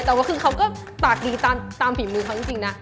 แต่ว่าคือเค้าก็ตากดีตามผิดมือเค้าจริงนะ